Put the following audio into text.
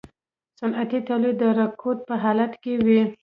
صنعتي تولید د رکود په حالت کې وي